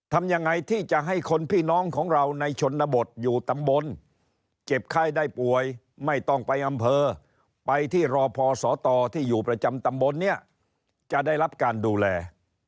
ทำยังไงที่จะให้คนพี่น้องของเราในชนบทอยู่ตำบลเจ็บไข้ได้ป่วยไม่ต้องไปอำเภอไปที่รอพอสตที่อยู่ประจำตำบลเนี่ยจะได้รับการดูแล